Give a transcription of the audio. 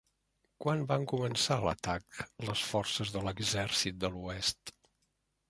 Quan van començar l'atac les forces de l'«Exèrcit de l'Oest»?